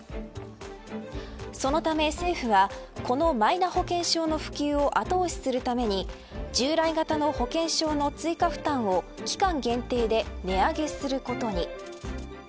そのため政府はこのマイナ保険証の普及を後押しするために従来型の保険証の追加負担を期間限定で値上げすることに。